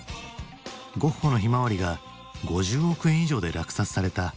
ゴッホの「ひまわり」が５０億円以上で落札された８７年。